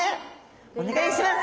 お願いします。